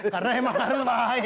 karena emang harus lah ya